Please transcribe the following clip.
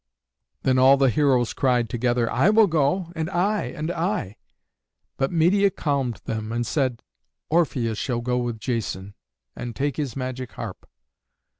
Then all the heroes cried together, "I will go and I and I!" But Medeia calmed them and said, "Orpheus shall go with Jason, and take his magic harp."